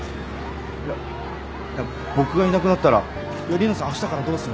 いや僕がいなくなったら梨乃さんあしたからどうする？